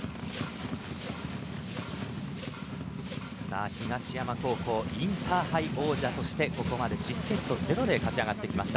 さあ、東山高校インターハイ王者としてここまで失セット０で勝ち上がってきました。